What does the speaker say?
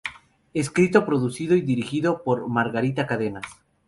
Escrito, Producido y Dirigido por Margarita Cadenas.